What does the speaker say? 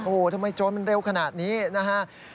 โอ้โหทำไมโจรมันเร็วขนาดนี้นะฮะ